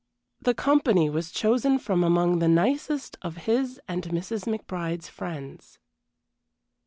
The company was chosen from among the nicest of his and Mrs. McBride's friends.